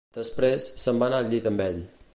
Després, se'n va al llit amb ell.